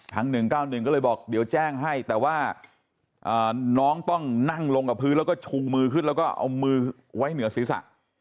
๑๙๑ก็เลยบอกเดี๋ยวแจ้งให้แต่ว่าน้องต้องนั่งลงกับพื้นแล้วก็ชูมือขึ้นแล้วก็เอามือไว้เหนือศีรษะ